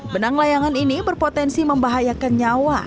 benang layangan ini berpotensi membahayakan nyawa